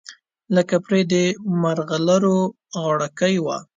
لکه پرې د مرغلرو غاړګۍ وه